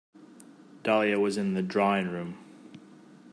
Dahlia was in the drawing-room.